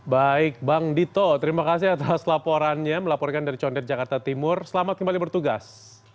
baik bang dito terima kasih atas laporannya melaporkan dari condet jakarta timur selamat kembali bertugas